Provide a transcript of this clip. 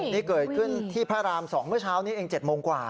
นี่เกิดขึ้นที่พระราม๒เมื่อเช้านี้เอง๗โมงกว่า